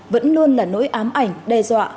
vẫn luôn là nỗi ám ảnh đe dọa